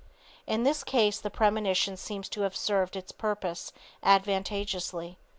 In this case the premonition seems to have served its purpose advantageously.